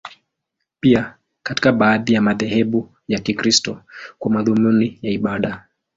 Pia katika baadhi ya madhehebu ya Kikristo, kwa madhumuni ya ibada.